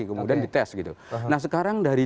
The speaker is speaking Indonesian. kemudian dites gitu nah sekarang dari